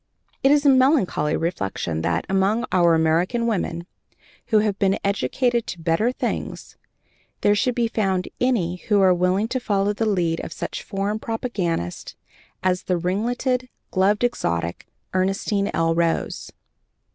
"It is a melancholy reflection that, among our American women, who have been educated to better things, there should be found any who are willing to follow the lead of such foreign propagandists as the ringleted, gloved exotic, Ernestine L. Rose.